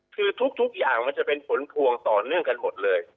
คือทุกอย่างมันจะเป็นผลพวงต่อเนื่องกันหมดเลย